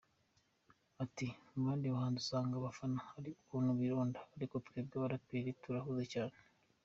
Ati “Mu bandi bahanzi usanga abafana hari ukuntu bironda ariko twebwe abaraperi turahuza cyane.